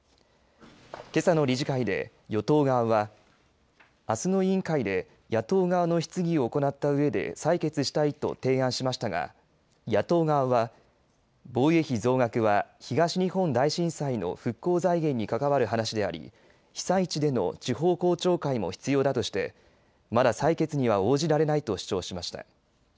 けさの理事会で与党側はあすの委員会で野党側の質疑を行ったうえで採決したいと提案しましたが野党側は防衛費増額は東日本大震災の復興財源に関わる話であり被災地での地方公聴会も必要だとしてまだ採決には応じられないと主張しました。